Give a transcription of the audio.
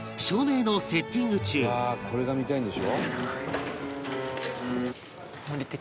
「うわー！これが見たいんでしょ？」